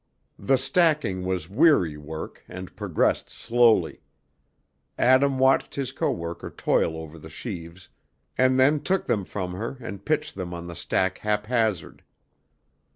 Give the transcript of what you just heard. The stacking was weary work and progressed slowly. Adam watched his co worker toil over the sheaves, and then took them from her and pitched them on the stack haphazard.